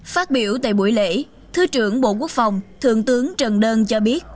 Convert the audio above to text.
phát biểu tại buổi lễ thứ trưởng bộ quốc phòng thượng tướng trần đơn cho biết